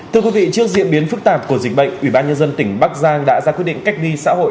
thưa quý vị trước diễn biến phức tạp của dịch bệnh ủy ban nhân dân tỉnh bắc giang đã ra quyết định cách ly xã hội